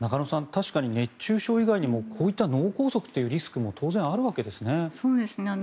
確かに熱中症以外にもこういった脳梗塞というリスクも当然あるわけですね。